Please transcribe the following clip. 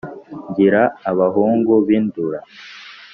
ngira abahungu b’indura,